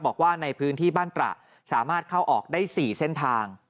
บอกว่าในพื้นที่บ้านตระสามารถเข้าออกได้๔เส้นทาง